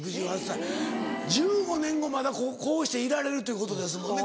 １５年後まだこうしていられるということですもんね